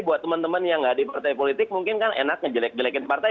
buat teman teman yang nggak di partai politik mungkin kan enaknya jelek jelekin partai